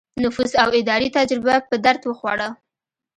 نفوذ او اداري تجربه په درد وخوړه.